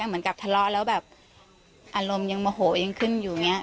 เหมือนกับทะเลาะแล้วแบบอารมณ์ยังโมโหยังขึ้นอยู่อย่างนี้